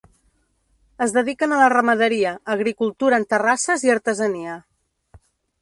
Es dediquen a la ramaderia, agricultura en terrasses i artesania.